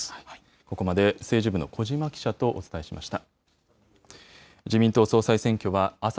ここまで政治部の小嶋記者とお伝えしました。